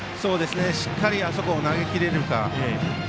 しっかりとあそこを投げきれるか。